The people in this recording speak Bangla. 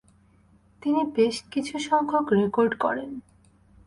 তিনি বেশ কিছুসংখ্যক রেকর্ড গড়েন।